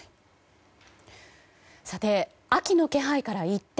秋の気配から一転。